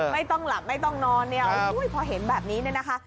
ไม่ต้องหลับไม่ต้องนอนเนี่ยพอเห็นแบบนี้เนี่ยนะคะ